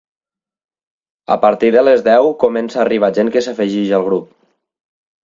A partir de les deu comença a arribar gent que s'afegeix al grup.